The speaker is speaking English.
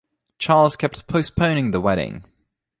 Charles keeps postponing the wedding.